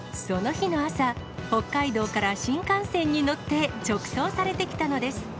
その日の朝、北海道から新幹線に乗って直送されてきたのです。